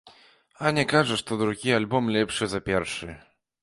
Аня кажа, што другі альбом лепшы за першы.